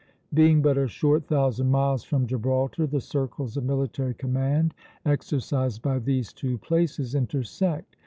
Being but a short thousand miles from Gibraltar, the circles of military command exercised by these two places intersect.